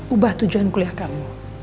ubah tujuan kuliah kamu